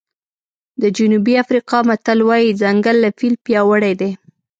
د جنوبي افریقا متل وایي ځنګل له فیل پیاوړی دی.